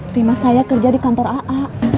terima saya kerja di kantor aa